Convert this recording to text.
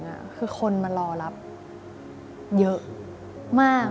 นิกูธุรกีษมารอบเยอะมาก